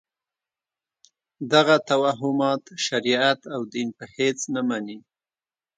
دغه توهمات شریعت او دین په هېڅ نه مني.